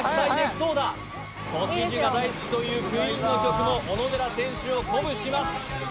はやい都知事が大好きというＱＵＥＥＮの曲も小野寺選手を鼓舞します